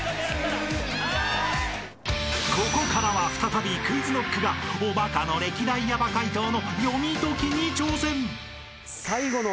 ［ここからは再びＱｕｉｚＫｎｏｃｋがおば科の歴代ヤバ解答の読み解きに挑戦］